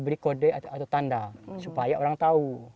beri kode atau tanda supaya orang tahu